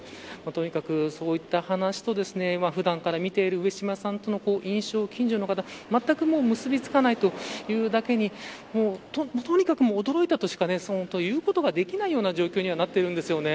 とにかく、そういった話と普段から見ている上島さんとの印象が近所の方、まったく結びつかないというだけにとにかく驚いたとしか言うことができない状況になっているんですよね。